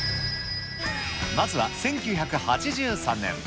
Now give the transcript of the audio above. まずは１９８３年。